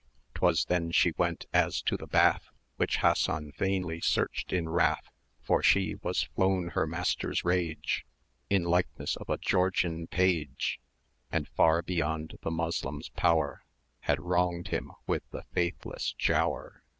'Twas then she went as to the bath, Which Hassan vainly searched in wrath; For she was flown her master's rage In likeness of a Georgian page, And far beyond the Moslem's power Had wronged him with the faithless Giaour.